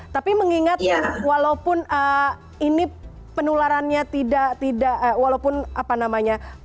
tapi mengingat walaupun ini penularannya tidak walaupun apa namanya